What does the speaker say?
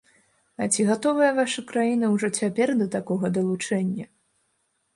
А ці гатовая ваша краіна ўжо цяпер да такога далучэння?